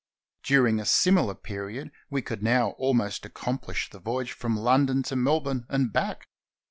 During a similar period we could now almost accomplish the voyage from London to Melbourne and hack.